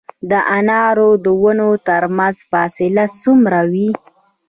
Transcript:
د انارو د ونو ترمنځ فاصله څومره وي؟